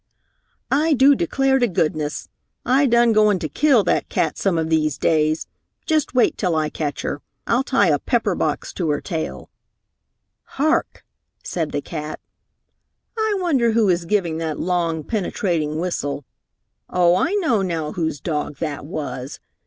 "I do declar' to goodness, I done goan to kill dat cat some of these days. Just wait till I ketch her, I'll tie a peppah box to her tail!" "Hark!" said the cat. "I wonder who is giving that long, penetrating whistle. Oh, I know now whose dog that was!